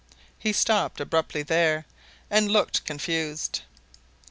He stopped abruptly here, and looked confused.